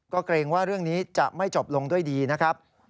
ก็เกรงว่าเรื่องนี้จะไม่จบลงด้วยดีนะครับ